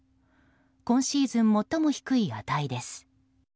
今シーズン最も低い値です。